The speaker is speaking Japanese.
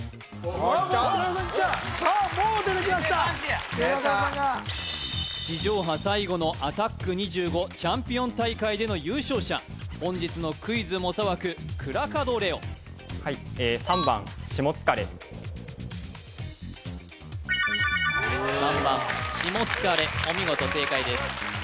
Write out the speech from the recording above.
倉門さんが地上波最後の「アタック２５」チャンピオン大会での優勝者本日のクイズ猛者枠倉門怜央３番しもつかれお見事正解です